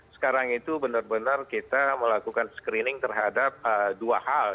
sekarang itu benar benar kita melakukan screening terhadap dua hal